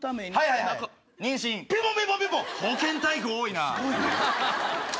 保健体育多いな。